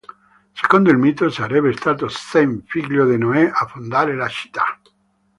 Secondo il mito, sarebbe stato Sem, figlio di Noè, a fondare la città.